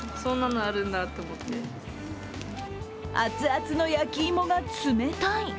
熱々の焼き芋が冷たい